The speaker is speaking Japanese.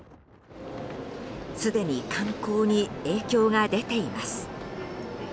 すでに観光に影響が出ています。